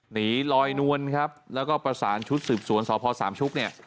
หนีลอยนวลครับแล้วก็ประสานชุดสืบสวนสพสามชุกเนี่ย